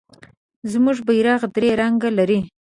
زمونږ بیرغ درې رنګه لري.